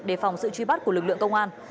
đề phòng sự truy bắt của lực lượng công an